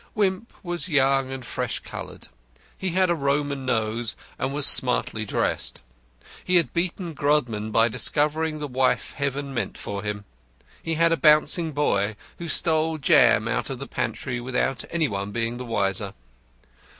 Wimp was young and fresh coloured. He had a Roman nose, and was smartly dressed. He had beaten Grodman by discovering the wife Heaven meant for him. He had a bouncing boy, who stole jam out of the pantry without any one being the wiser.